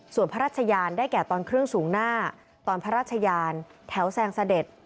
ส่วนพระราชยานได้แก่ตอนเครื่องสูงหน้าตอนพระราชยานแถวแซงเสด็จ